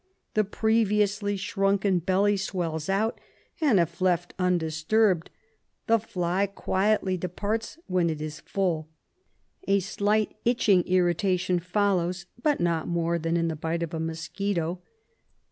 The previously shrunken belly swells out, and, if left undisturbed, the fly quietly departs when it is full. A slight itching irritation follows, but not more than in the bite of a mosquito.